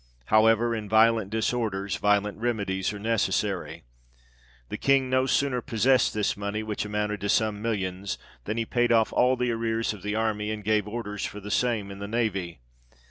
However, in violent disorders, violent remedies are necessary. The King no sooner possessed this money, which amounted to some millions, than he paid off all the arrears of the army, and gave orders for the same in the navy.